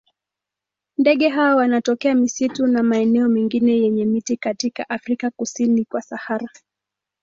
Ndege hawa wanatokea misitu na maeneo mengine yenye miti katika Afrika kusini kwa Sahara.